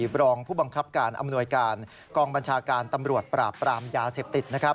บรองผู้บังคับการอำนวยการกองบัญชาการตำรวจปราบปรามยาเสพติด